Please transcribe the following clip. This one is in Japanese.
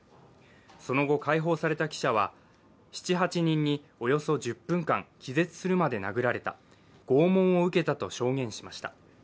その後、解放された記者は７８人におよそ１０分間気絶するまで殴られた、拷問を受けたと証言しました。